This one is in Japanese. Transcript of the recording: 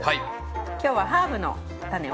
今日はハーブの種を。